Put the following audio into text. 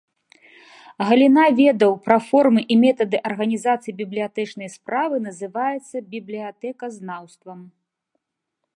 Галіна ведаў пра формы і метады арганізацыі бібліятэчнай справы называецца бібліятэказнаўствам.